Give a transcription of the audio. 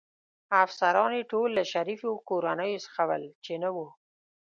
افسران يې ټول له شریفو کورنیو څخه ول، چې نه و.